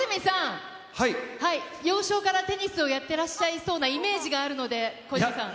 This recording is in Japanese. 幼少からテニスをやってらっしゃいそうなイメージがあるので、小泉さん。